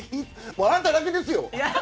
あんただけですよ！